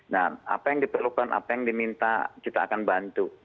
nah apa yang diperlukan apa yang diminta kita akan bantu